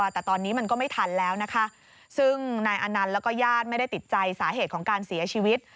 แต่ตอนนี้มันก็ไม่ทันแล้วนะคะซึ่งนายอนันต์แล้วก็ญาติไม่ได้ติดใจสาเหตุของการเสียชีวิต